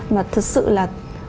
mà thực sự là